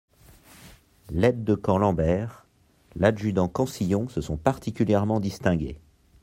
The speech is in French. L'aide-de-camp Lambert, l'adjudant Cansillon se sont particulièrement distingués.